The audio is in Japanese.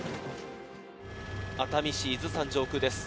熱海市伊豆山上空です。